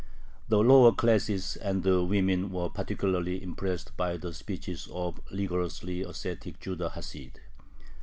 The lower classes and the women were particularly impressed by the speeches of the rigorously ascetic Judah Hasid.